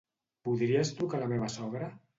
Podries trucar a la meva sogra?